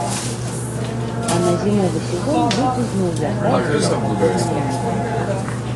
А на зімовы сезон людзі зноў вяртаюцца на працоўныя месцы.